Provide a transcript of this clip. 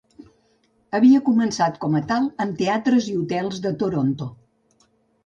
Havia començat com a tal en teatres i hotels de Toronto.